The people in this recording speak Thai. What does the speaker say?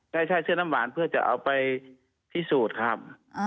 ใช่ใช่เสื้อน้ำหวานเพื่อจะเอาไปที่สูตรครับ